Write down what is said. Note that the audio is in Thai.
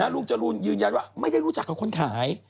ลุงจรูนยืนยันว่าไม่ได้รู้จักกับคนขาย